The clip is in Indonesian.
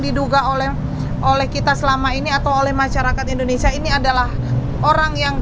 diduga oleh oleh kita selama ini atau oleh masyarakat indonesia ini adalah orang yang